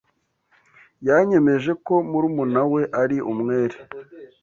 Yanyemeje ko murumuna we ari umwere.